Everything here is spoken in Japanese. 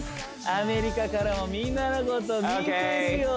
アメリカからもみんなのこと見てるよ！